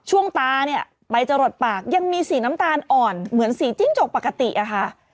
ตาเนี่ยใบจะหลดปากยังมีสีน้ำตาลอ่อนเหมือนสีจิ้งจกปกติอะค่ะ